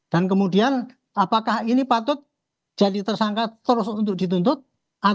dan kemudian apakah ini patut jadi tersangka terus untuk ditunjukkan